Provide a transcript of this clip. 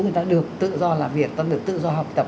người ta được tự do làm việc ta được tự do học tập